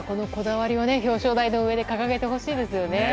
こだわりを表彰台の上で掲げてほしいですよね。